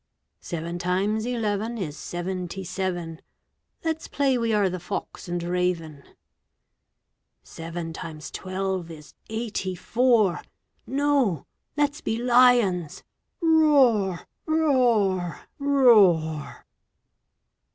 Seven times eleven is seventy seven. Let's play we are the fox and raven. Seven times twelve is eighty four. No! let's be lions. Roar! roar! roar!